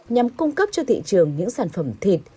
nhằm cung cấp cho thị trường những sản phẩm thịt